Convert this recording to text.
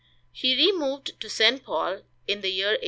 He removed to St. Paul in the year 1862.